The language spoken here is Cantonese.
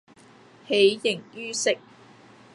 喜形於色